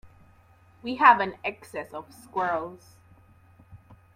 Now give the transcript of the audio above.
We have an excess of squirrels.